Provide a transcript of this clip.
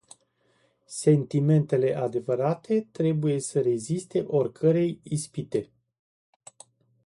Sentimentele adevărate trebuie să reziste oricărei ispite.